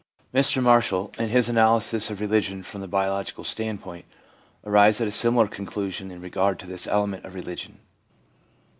Mr Marshall, in his analysis of re ligion from the biological standpoint, arrives at a similar conclusion in regard to this element of religion.